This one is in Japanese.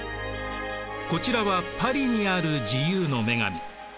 こちらはパリにある自由の女神。